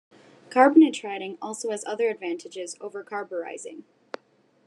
Carbonitriding also has other advantages over carburizing.